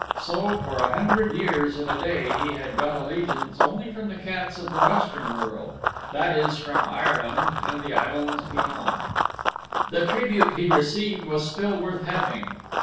So for a hundred years and a day he had got allegiance only from the Cats of the Western World; that is, from Ireland and the Islands beyond. The tribute he received was still worth having.